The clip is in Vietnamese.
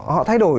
họ thay đổi